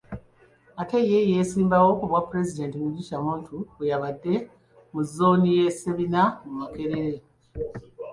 Ate ye eyeesimbyewo ku bwapulezidenti, Mugisha Muntu, bwe yabadde mu zooni ya Ssebina mu Makerere .